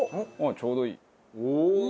ちょうどいい。